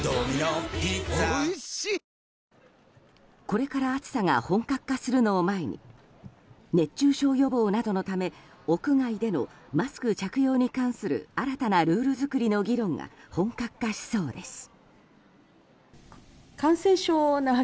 これから暑さが本格化するのを前に熱中症予防などのため屋外でのマスク着用に関する新たなルール作りの議論が本格化しそうです。